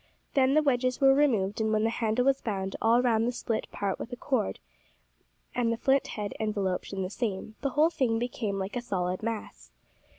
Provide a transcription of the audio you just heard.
Then the wedges were removed, and when the handle was bound all round the split part with cord, and the flint head enveloped in the same, the whole thing became like a solid mass.